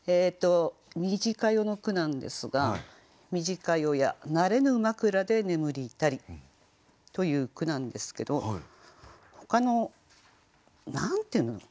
「短夜」の句なんですが「短夜や慣れぬ枕で眠りたり」という句なんですけどほかの何て言うんだろう